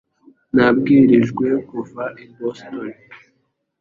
Nabwirijwe kuva i Boston